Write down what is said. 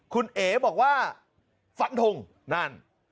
คุณเอ๋บอกว่าฟันทงนั่น